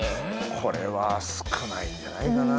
これは少ないんじゃないかな。